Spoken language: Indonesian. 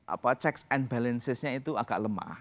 apa checks and balancesnya itu agak lemah